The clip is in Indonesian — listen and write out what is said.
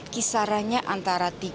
kisarannya antara tiga